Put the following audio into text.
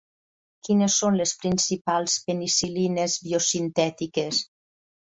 Quines són les principals penicil·lines biosintètiques?